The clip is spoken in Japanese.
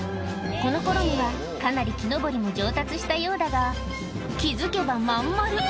このころには、かなり木登りも上達したようだが、気付けば真ん丸。